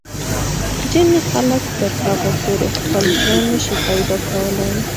ځینې خلک تر هغو پورې خپل زړه نه شي پیدا کولای.